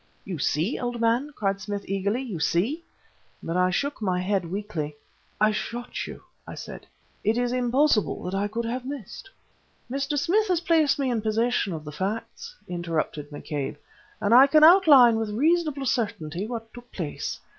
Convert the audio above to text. "You see, old man?" cried Smith eagerly. "You see?" But I shook my head weakly. "I shot you," I said. "It is impossible that I could have missed." "Mr. Smith has placed me in possession of the facts," interrupted McCabe, "and I can outline with reasonable certainty what took place.